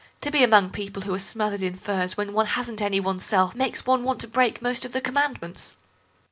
To be among people who are smothered in furs when one hasn't any oneself makes one want to break most of the Commandments."